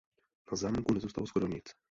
Na zámku nezůstalo skoro nic.